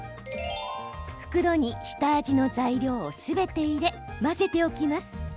袋に下味の材料をすべて入れ混ぜておきます。